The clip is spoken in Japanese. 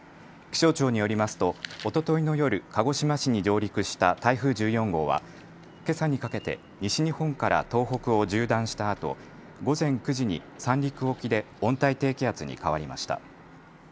気象庁によりますとおとといの夜、鹿児島市に上陸した台風１４号はけさにかけて西日本から東北を縦断したあと午前９時に三陸沖で温帯低気圧に変わりました。